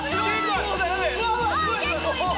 結構いく。